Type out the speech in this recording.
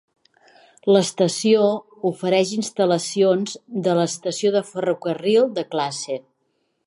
L'estació ofereix instal·lacions de l'estació de ferrocarril de classe.